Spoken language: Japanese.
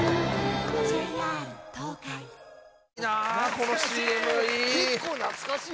このＣＭいい。